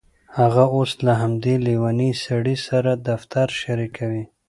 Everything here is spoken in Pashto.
هغه اوس له همدې لیونۍ سړي سره دفتر شریکوي